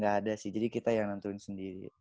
gak ada sih jadi kita yang nentuin sendiri